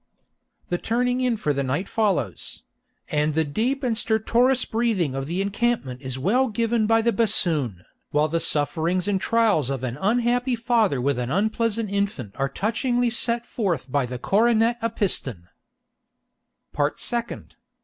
The turning in for the night follows; and the deep and stertorous breathing of the encampment is well given by the bassoon, while the sufferings and trials of an unhappy father with an unpleasant infant are touchingly set forth by the cornet à piston. Part Second.